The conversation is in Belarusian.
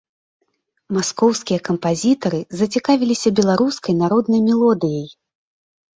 Маскоўскія кампазітары зацікавіліся беларускай народнай мелодыяй.